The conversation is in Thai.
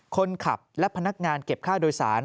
คนขับและพนักงานเก็บค่าโดยสาร